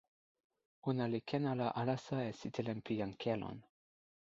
ona li ken ala alasa e sitelen pi jan Kelon.